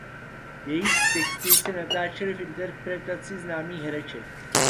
Její texty se natáčely v interpretaci známých hereček.